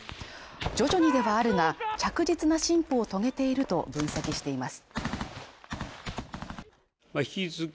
徐々にではあるが着実な進歩を遂げていると分析しています。